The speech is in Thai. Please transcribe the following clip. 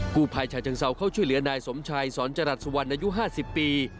ผู้ภายชาเชิงเซาเข้าช่วยเหลือนายสมชัยสอนจรัสสุวรรณอายุ๕๐ปี